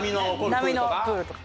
波のプールとか。